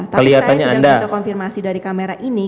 tapi saya tidak bisa konfirmasi dari kamera ini